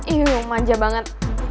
iyuhh manja banget